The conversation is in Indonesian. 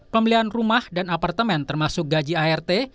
pembelian rumah dan apartemen termasuk gaji art